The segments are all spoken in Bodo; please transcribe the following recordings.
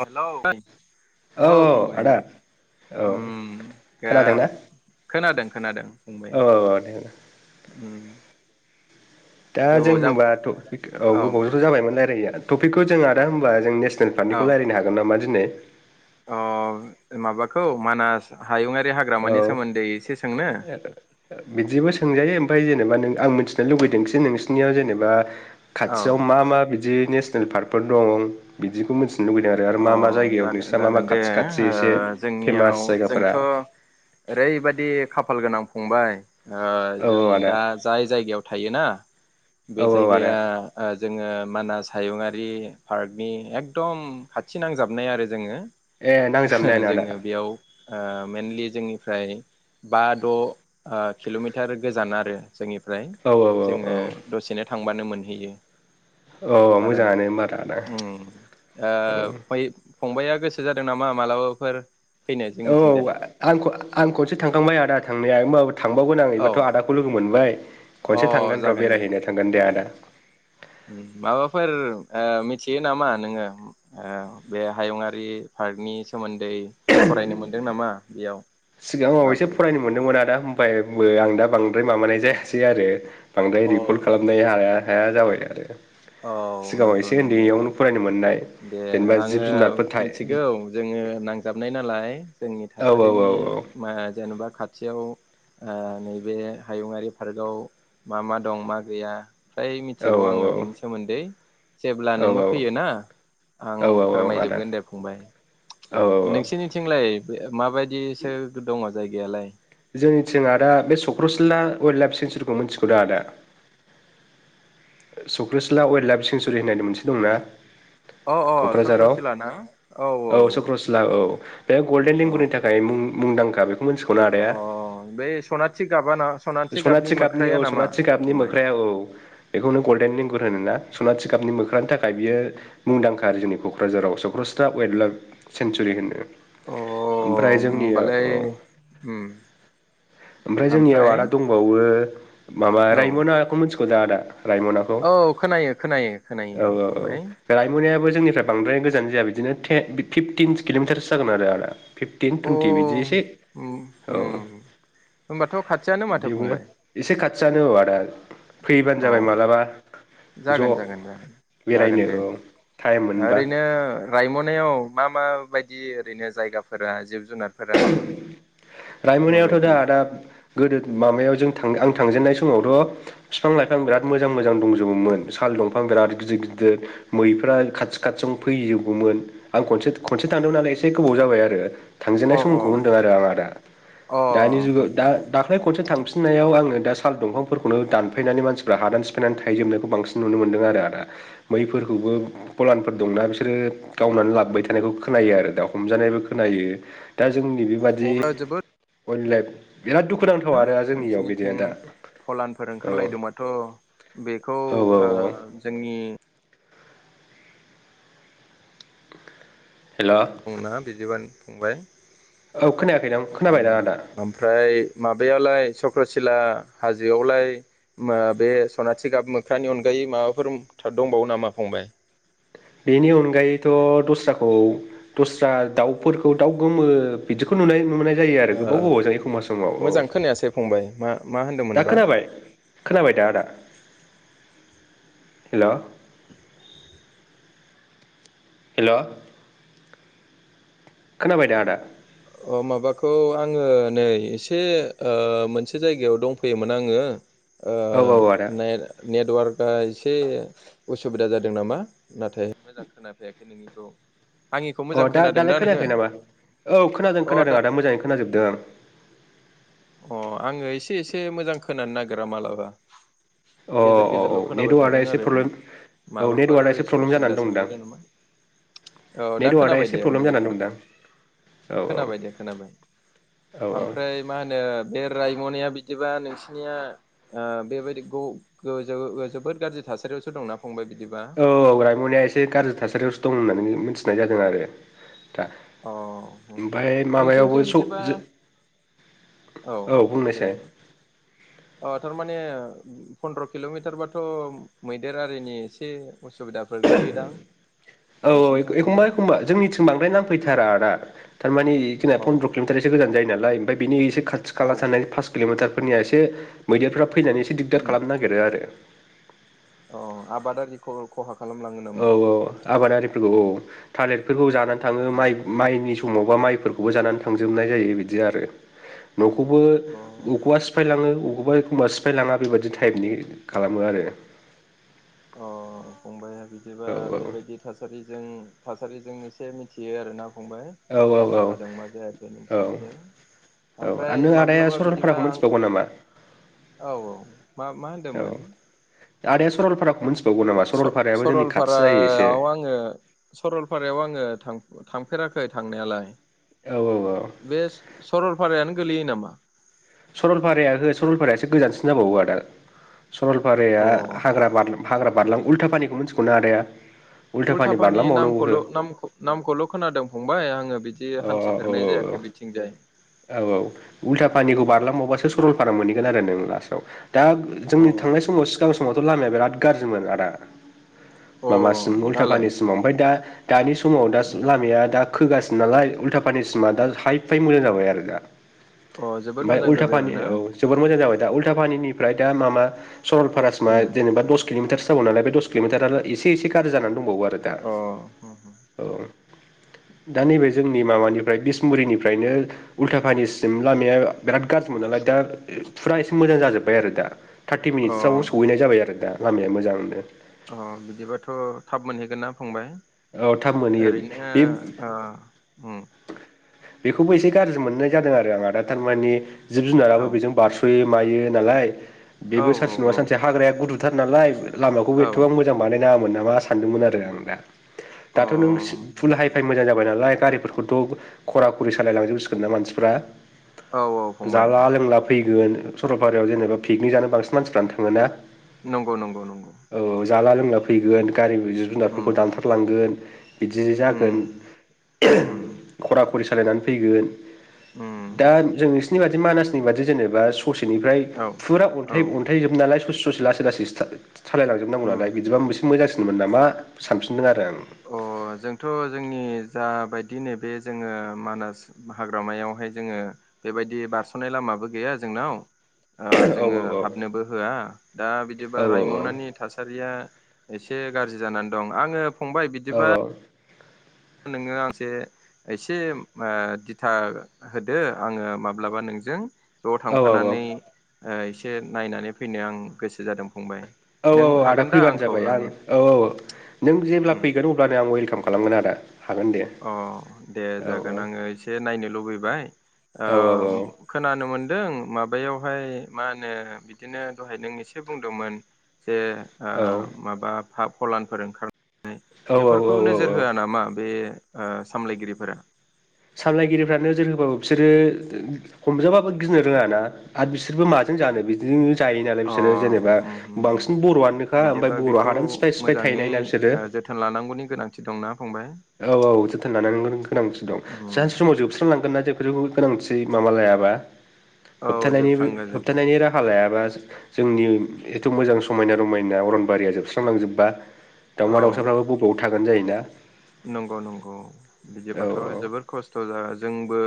हेलौ औ फंबाय औ ओम दा खोनादोंना खोनादों खोनादों फंबाय औ औ दे ओम दा जों होनबाथ' औ गोबावजोंथ' जाबायमोनने [unintelligible] टपिकखौ जों आदा ह होनब जों नेस औ [unintelligible] रायनो हागोन नामा दिनो अ माबाखौ मानास हायुङारि औ हाग्रामानि सोमोन्दै एसे सोंनो बिदिबो सोंजायो ओमफ्राय जेनेबा नों आं मिथिनो लुुबैदोंस नोंसिनियाव जेनेबा औ खाथियाव मा मा बि दि नेसनेल पार्कफोर दं बिदिखौ मिथि नो लुबैदों आरो मा अ मा जायगायाव जागोन नोंस्रा मा मा जागोन दे खाथि खाथि ओ एसे फेमास जायगाफोरा ओरैबायाददि खाफाल गोनां फंबाय ओ औ जों आदा दा जाय जायगायाव थायोना औ बे औ आदा जायगाया- जोङो मानास हायुङारि पार्कनि एकदम- खाथि नांजाबनाय आरो जोङो ए नां जामनायानो आदा जोङो बेयाव ओ मेनलि जोंनिफ्राय बा द' ओ किल'मिटार गोजान आरो जोंनिफ्राय औ औ औ जोङो औ दसेनो थांबानो मोन नुहैयो औ मोजाङानो ओमबाथ आदा औ फंबाइाया गोसो जादों नामा मालाबाफोर- फैनो औ जोंनिथिंजाय औ आं आं खनसे थांखांबाय आदा। थांनाया ओमबाबो थांबावगोन आं औ एबाथ' आदाखौ लोगो मोनबाय खनसे अ थांगोन र' जागोन जागोन बेरायहैनो थांगोन दे आदा। उम माबाफोर ओ मिथियो नामा नोङो ओ बेे हायुङारि पार्कनि सोमो दै फरायनो मोनदों नामा? बेयाव सिगांआव माबोरै बोरै एसेफरायनो मोनदोंमोन आदा ओबाय आंबो आंदा बांद्राय माबानाय जायासै आरो बांद्राय अ रिकल खालामनाय हाया हाया जाबाय आरो औ सिगाङाव नंगौ एसे उन्दैयावनो नंनायलाय फरायनो मोननाय दे जेनेबा जिब आङो जुनारफोर थाय मिथिगौ जोङो नांजाबनाय नालाय, जोंनि औ औ औ थासारिनि मा जेन'बा खाथियाव ओ नैबे हायुङरारि पार्कआव मा मा दं मा गैया फ्राय औ मिथिगौ आङो बेनि सा सोमोन्दै जेब्ला औ नोङो फैयोना आं औ औ आदा फोरमायजोबगोन दे फंबाय औ औ नोंसिनिथिंलाय बे माबायदिसो दङ जायगायालाय जोंनिथिं आदा बे चक्रसिला वाइल्ड लाइफ सेंसुरिखौ मिथिगौदा आदा चक्रसिला वाइल्ड लाइफ सेंसुरि होन्नानै मोनसे दंना? अ अ क'क्राझाराव चक्रसिला ना औ औ सक्रसिला औ बे गल्डेन देंगुनि अ थाखाय मुं मुंदांखा बे मोनथिगौना आदाया? बे स'नाथि गाबाना? स'नाथि गाबनि औ सनाथि गाबनि मोख्राया औ बेखौनो गल्डेननि गुर होनोना स'नाथि गाबनि मोख्रानि थाखाय बियो मुंदांखारो जोंनि क'क्राझाराव सक्रसता वाइल्ड लाइफ सेन्सुरि होनो । अ ओमफ्राय जोंनियाव होमबालाय उम ओमफ्राय जोंनियाव आदा औवो माबा औ रायमनाखौ मोनथि बोदो आदा रायमनाखौ औ खोनायो खोनायो खोनायो औ औ औ फंबाय रायमनायाबो जोंनिफ्राय बांद्राय गोजान जाया बिदिनो थे फिफटिन किल'मिटारसो जागोन आरो आदा, फिफटिन अ टुइन्टि बिदिएसे उम औ उम होमबाथ' खाथियानो माथो बेबो फंबाय एसे खा जानु आदा फैबानो अ जाबाय मालाबा जागोन ज' जागोन जागोन जागोन बेरायनो दे औ टाइम मोनबा ओरैनो रायमनायाव मा मा बायदि ओरैनो जायगाफोरा जिब जुनार रायमनायावथ' दा आदा गोदो माबायाव जों थां आं थांजेननाय समावथ' बिफां लाइफां बिराद मोजां मोजां दंजोबोमोन साल दंफां बिराद गिदिर गिदिर मैफ्रा खाथि खाथि फैजोबोमोन आं खनसे खनसे थांदोंमोन नालाय एसे गोबाव जाबाय आरो थांजेनाय अ सम अ समखौ होनदों आरो आं आदा अ दानि जु दा दाख्लै, खनसे थांफिननायाव आङो दा साल दंफांफोरखौनो दानफायनानै मानसिफ्रा हादान सिफायनानै थाहैजोबनायखौ बांसिन नुनो मोनदों आरो आदा मैफोरखौबो फलानफोर दंना बिसोरो गावनानै लाबोबाय थानायखौ खोनायो आरो दा हमजानायबो खोनायो। दा जोंनि बेबादि [unintelligible] दुखुनांथाव हो आरो जोंनियाव बिदिया नोंसिनिथिं दा फलानफोर औ ओंखारलायदोंबाथ' बेखौ औ औ ओ औ जोंनि हेल' औ बुंना बिदिबान फंबाय खोनायाखैना खोनाबायना आदा ओमफ्राय माबायालाय [inaudible] सिला हाजोयावलाय [unintelligible] बे सनाथि गाब मोख्रानि अनगायै माबाफोर [unintelligible] दंबावो नामा फंबाय बेनि अनगायैथ' दस्राखौ दस्रा दाउफोरखौ दाउ गोमो बिदिखौ नुनाय नुनाय जायो आरो ओ गोबाव गोबाव जायो एखमबा समाव औ मोजां खोनायासै फंबाय मा मा दा होनदोंमोनबा खोनाबाय अ खोनाबाय दा आदा हेलौ हेलौ खोनाबाय दा आदा अ माबाखौ आङो नै एसे ओ मोनसे जायगायाव दंफैयोमोन आङो ओ औ औ आदा नाइ [inaudible] नेटवार्कआ एसे उसुबिदा जादों नामा नाथाय मोजां खोनाफैयाखै नोंनिखौ आंनिखौ अ मोजां दा खोनादों दालाय नोङो खोनायाखै नामा औ खोनादों अ खोनादों दा आदा मोजाङै खोनाजोबदों आं अ आङो एसे एसे मोजां खोनानो नागिरा मालाबा अ गेजेर अ औ गेजेरल' खोनाबाय नेटवार्कआ थादों एसे आरो प्रब्लेम औ माबाफोर नेटवार्कआ एसे प्रब्लेम जानानै असुबिदासो दंदां गोल्लैदों नामा औ दा नेटवार्कआ खोनाबाय एसे दे प्रब्लेम मोजां जानानै खोनाबाय दंदां औ खोनाबाय दे खोनाबाय औ ओमफ्राय ओ बे रायमनाया बिदिबा नोंसिनिया ओ बेबायदिखौ [inaudible] जोबोद गाज्रि थासारियावसो दंना फंबाय बिदिबा औ रायमनाया एसे गाज्रि थासारियावसो दं होननानै मिथि [inaudible] नाय जादों आरो अ दा--ओमफाय माबायावबो नोंसिनिथिं बिदिबा [inaudible] औ बुंनायसाय देलाय अ थारमाने फन्द्र किल'मिटारबाथ' मैदेर आरिनि एसे उसुबिदाफोर गोलैयोदां [unintelligible] औ औ नोंसिनिथिं एखमबा फंबाय एखमबा जोंनिथिं बांद्राय नांफैथारा आदा थारमानि जोंना अ फन्द्र' किल'मिटार एसे गोजान जायो ना [inaudible] [inaudible] ओमफाय बिनि एसे खाथि औ खाला थानाय पास किल'मिटार फोरनिया एसे मैदेरफ्रा फैनानै एसे दिगदार उम खालामनो नागिरो आरो अ आबादारिख' खहा खालामलाङो नामा औ औ आबादारिफोरखौ थालिरफोरखौ जानानै थाङो माइ माइनि समावबा माइफोरखौबो जानानै थांजोबनाय जायो बिदि आरो। न'खौबो अ बबेखौबा सिफायलाङो अबेबा एखमबा सिफायलाङा बेबायदि टाइपनि खालामो आरो। अ फंबाय बिदिबा औ बेबायदि थासारिजों थासारिजों एसे मिथियो आरोना। फंबाय औ मा औ जादों मा जायाखै औ नोंसिनिथिं आरो ओमफ्राय नों आदाया माब्लाबा बिदिबा सरलपाराखौ आं मिथिबावगौ नामा औ औ मा मा औ होनदोंमोन? आदाया सरलफाराखौ मिथियो सरलफारायाव आङो सरलफारायाव आङो थांफेराखै । खै थांनायालाय। औ औ बे सरलफारायानो गोलैयो नामा। सरलफाराया ओहो सरलफाराया एसे गोजानसिन जाबावो आदा। सरलफाराया अ हाग्रा बारलांनांगौ। हाग्रा बारलां उल्था फानिखौ मिथगौ ना आदाया। उल्था पानि उल्थाफानि बारलांबावनांगौ हो नामखौल' खोनादों फंबाय आङो बिदि। औ औ औ औ हान्थिफेरनाय जायाखै बिथिंजाय औ औ औ उल्था फानिखौ बारलांबावबासो सरलफारा। मोनहैगोन आरो नों लास्टआव दा अ जोंनि थांनाय समाव सिगां समावथ' लामाया बिराद गाज्रिमोन आदा। अ माबासिम दालाय उल्थाफानिसिमाव ओमफ्राय दा। दानि समाव दा लामाया दा खोगासि नालाय उल्था फानिसिमा दा हाइ फाइ मोजां जाबाय आरो दा। अ जोबोद ओमफ्राय मोजां उल्था जाबाय फानि आरोना औ जोबोद मोजां जाबाय दा उल्था फानिनि ओमफ्राय दा माबा सरलफारासिमा उम जेनेबा दस किल'मिटार बे दस किल'मिटारा एसे एसे गाज्रि जानानै दंबावो आरो दा अ औ। दा नैबे जोंनि माबानिफ्राय बिसमुरिनिफ्रायनो उल्थाफानिसिम लामाया बिराद गाज्रिमोन नालाय दा फुरा एसे मोजां जाजोब्बाय आरो दा। थार्टि अ मिनिटसोआवनो सहैनाय जाबाय आरो दा। लामाया मोजां मोनदों । अ बिदिबाथ' थाब मोनहैगोन ना फंबाय औ थाब । मोनहैयो ओरैनो‌ बे ओ उम बेखौबो एसे गाज्रि मोननाय जादों आरो आं आदा थारमाने जिब ओ जुनाराबो उम बेजों बारस'यो मायो नालाय औ बेबो औ सानसे नङा सानसे हाग्राया गुदुथार नालाय लामाखौ औ ऐदथ'बां मोजां बानाय नाङामोन नामा सानदोंमोन आरो आं दा। दाथ' नोंस फुल हाइ फाइ मोजां जाबाय नालाय। गारिफोर खौथ' खरा खरि सालाय लांजोब सिगोन ना मानसिफ्रा। अ औ औ फंबाय जाला लोंला फै गोन सरलपारायाव जेनेबा पिकनिक जानो बांसिन मानसिफ्रानो थाङोना। नंगौ नंगौ नंगौ। औ जाला लोंना फैगोन। गारिनि जिब जुनार फोरखौ उम दानथारलांगोन। बिदि जागोन उम उम [unintelligible] खरा खरि सालायनानै फैगोन। उम दा जोंस बिबादि मानासनि बादि जेनेबा सु ससेनिफ्राय औ फुरा औ अन्थाइ अन्थाइ जोब नालाय ससे ससे लासै लासैसो था सालाय लांजोब नांगौ नालाय उम बिदिबा इसे मोजांसिन मोन नामा सानफिनदों आरो आं। अ जोंथ' जोंनि जाबायदि नैबे जोङो मानास हाग्रामायावहाय जोङो बेबायदि बारस'नाय लामाबो गैया जोंनाव। अ जोङो हाबनोबो होआ दा बिदिबा आं औ रायमनानि थासारिया एसे गाज्रि जानानै दं आङो फंबाय औ बिदिबा औ नोङो आंसे एसे ओ दिथा होदो आङो माब्लाबा नोंजों ज' औ थांफानानै ओ एसे नायनानै फैनो आं गोसो जादों। फंबाय औ औ नों औ आदा हागोन दा फैबानो आंखौ जाबाय आं लांनो औ औ नों जेब्ला उम फैगोन अब्लानो आं वेलकाम खालामगोन आदा। हागोन दे अ दे औ जागोन औ आङो एसे नायनो लुबैबाय ओ औ औ खोनानो मोन दों माबायावहाय मा होनो बिदिनो दहाय नों एसे बुंदोंमोन जे ओ माबा हा फलानफोर ओंखार [unintelligible] औ बेफोरखौ औ नोजोर औ होया नामा बे ओ सामलायगिरिफोरा? सामलायगिरिफ्रा नोजोर होबाबो बिसोरो हमजाबाबो गिनो रोङाना आरो बिसोरबो माजों जानो बिदि जायो नालाय अ बिसोरो जेनोबा होम होम होम बांसिन बर'आनोखा ओमफ्राय बिदिबा बर'आ बेखौ हादानो सिफाय सिफाय थाहैनाय मोजाङै ना बिसोरो। ओ जोथोन लानांगौनि गोनांथि दंना फंबाय औ औ जोथोन लानांगौनि गोनांथि दं। उम फोजोबस्रां लांगोन ना जेफोरखौ गोनांथि माबा लायाबा? औ होबथानायनिबो जोबस्रांगोन जोबगोन होबथानायनि राहा लायाबा। जोंनि एथु मोजां समायना रमायना अरनबारिया जोबस्रांलांजोबबा दावमा औ दावउसाफ्राबो बबाव थागोन जायोना। नंगौ नंगौ औ बिदिबाथ' जोबोर खस थ' जा जोंबो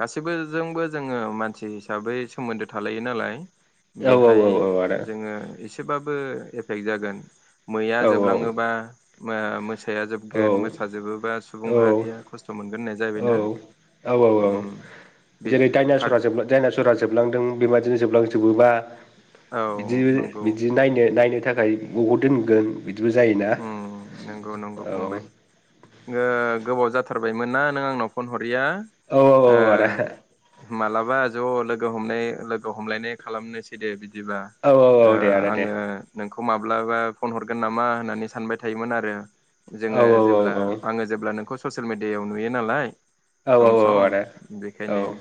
गासैबो जोंबो जोङो मानसि हिसाबै सोमोन्दो थालायो नालाय। औ बेहाय औ औ आदा जोङो एसेबाबो जै जागोन मैया औ जोबलाङोबा [unintelligible] साया औ जोबगोन मो सा जोबोबा सुबुं औ माहारिया खस्थ' मोनगोन होननाय औ जाहैबायना औ औ औ उम बे जेरै हा डाइनासरा जोबलां दाइनासर फोरा जोबलांदों बेबादिनो जोबलांजोबोबा औ बिदि नंगौ बिदि नायनो नायनो थाखाय [unintelligible] दोनगोन? बिदिबो जायोना उम नंगौ नंगौ औ फंबाय। ओ गोबाव जाथारबायमोन ना नों आंनाव फन ह रैया औ ओ औ आदा मालाबा ज' लोगो हमलाय लोगो हमलायनाय खालामनोसै दे बि बिदिबा औ ओ औ दे आदा दे आङो नों खौ माब्लाबा फन हरगोन नामा होननानै सानबाय थायोमोन आरो औ जोङो औ औ जेब्ला आङो जेब्ला नोंखौ ससियेल मिडियायाव नुयो नालाय। आदा सम सम बेखायनो औ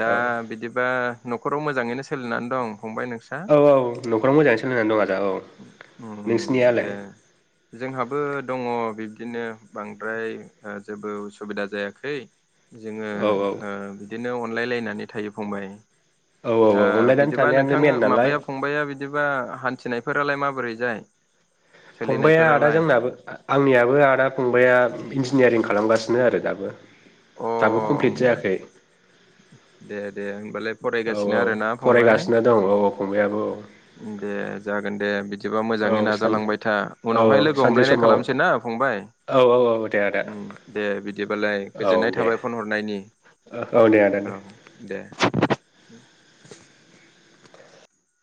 दा औ बिदिबा न'खराव मोजाङैनो सोलिनानै दं? फंबाय नोंस्रा औ औ न'खराव मोजाङै सोलिनानै दं आदा औ उम नोंसिनिया? दे जोंहाबो दंङ बिब्दिनो बांद्राय ओ जेबो ओ-उसुबिदा जायाखै। जोंङो औ ओ बिदि नो अनलायलायनानै थायो फंबाय। औ ओ औ अनलायनानै बिदिबा थानायानो नोंथां मेन नालाय माबाया फंबाया बिदिबा हान्थिनायफोरालाय माबोरै? जाय। फंबाया आदा जोंनाबो आंनियाबो आदा फंबाया [unintelligible] न्जिनियारिं खालामगासिनो आरो दाबो। दाबो कमप्लिट अह जायाखै दे दे होमबालाय औ फरायगासिनो औ आरोना फंबाय फरायगासिनो दं औ फंबाया औ दे जागोन दे बिद दिबा मोजांङै औ औ सान नाजालांबाय था औ उनावहाय औ लोगो सानसे हमलायनाय समाव खालामसै ना फंबाय औ औ दे आदा ओम दे बिदिबालाय औ गोजोननाय दे थाबाय फन हरनायनि औ दे आदा औ दे दे।